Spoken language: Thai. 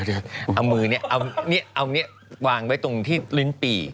เอามือนี่เอาไว้ตรงที่ลิ้นปี